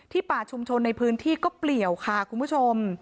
ป่าชุมชนในพื้นที่ก็เปลี่ยวค่ะคุณผู้ชม